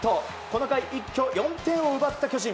この回一挙４点を奪った巨人。